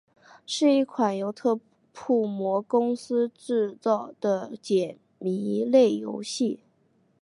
是一款由特库摩公司制作的解谜类游戏。